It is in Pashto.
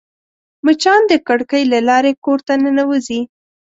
مچان د کړکۍ له لارې کور ته ننوزي